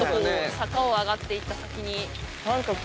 坂を上がっていった先に。